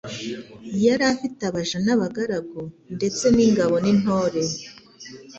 yari afite abaja n' abagaragu ndetse n' ingabo n'intore ;